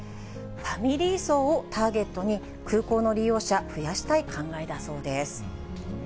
ファミリー層をターゲットに、空港の利用者、増やしたい考えだそうです。